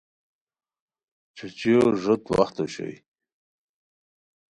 چھوچیو ݱوت وخت اوشوئے